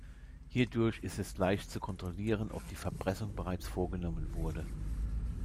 Hierdurch ist es leicht zu kontrollieren, ob die Verpressung bereits vorgenommen wurde.